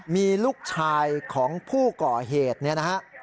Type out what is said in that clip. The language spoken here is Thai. มีลูกชายของผู้ก่อเหตุนั่น